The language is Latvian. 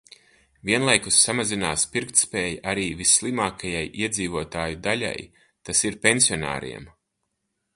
Vienlaikus samazinās pirktspēja arī visslimākajai iedzīvotāju daļai, tas ir, pensionāriem.